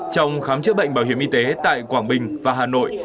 trong khám chữa bệnh bảo hiểm y tế tại quảng bình và hà nội